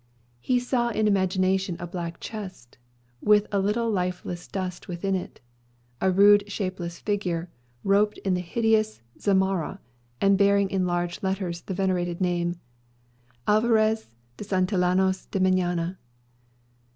He saw in imagination a black chest, with a little lifeless dust within it; a rude shapeless figure, robed in the hideous zamarra, and bearing in large letters the venerated name, "Alvarez de Santillanos y Meñaya."